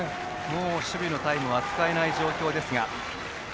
守備のタイムは使えない状況ですが。